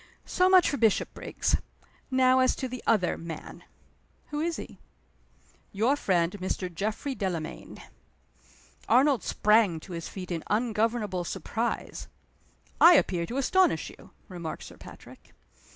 So much for Bishopriggs. Now as to the other man." "Who is he?" "Your friend, Mr. Geoffrey Delamayn." Arnold sprang to his feet in ungovernable surprise. "I appear to astonish you," remarked Sir Patrick.